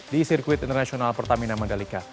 di sirkuit internasional pertamina mandalika